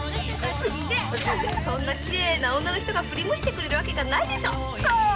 そんな綺麗な女の人が振り向いてくれるわけがないでしょ！